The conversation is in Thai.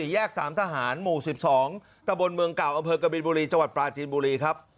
แยก๓ทหารหมู่๑๒ตะบนเมืองเก่าอำเภอกบินบุรีจังหวัดปลาจีนบุรีครับ